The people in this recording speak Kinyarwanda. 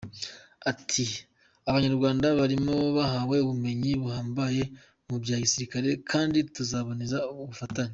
Ati “ Abanyarwanda barimo bahawe ubumenyi buhambaye mu bya gisirikare, kandi tuzakomeza gufatanya .